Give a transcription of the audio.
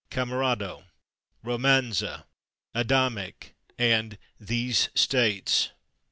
/camerado/, /romanza/, /Adamic/ and /These States